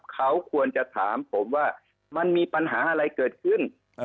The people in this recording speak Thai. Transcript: เขาควรจะถามผมว่ามันมีปัญหาอะไรเกิดขึ้น